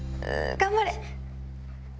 頑張れ！